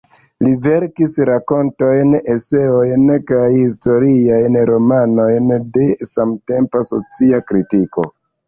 Li verkis rakontojn, eseojn kaj historiajn romanojn de samtempa socia kritiko.